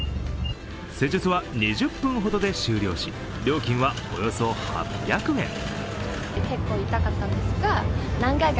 施術は２０分ほどで終了し料金はおよそ８００円。